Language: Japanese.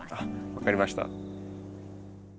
分かりました。